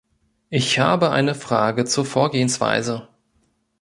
Ich habe eine Frage zur Vorgehensweise.